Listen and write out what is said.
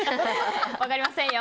分かりませんよ。